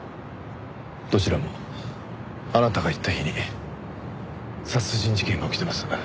どちらもあなたが行った日に殺人事件が起きてます。